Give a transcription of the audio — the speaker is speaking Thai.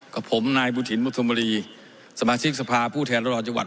กับผมนายบุธินมุธมรีสมาชิกสภาผู้แทนรดรจังหวัด